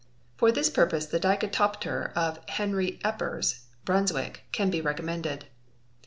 For this purpose the Dikatopter of Henry Eppers (Brunswick) can be recommended.